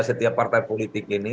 setiap partai politik ini